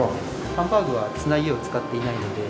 ハンバーグはつなぎを使っていないので。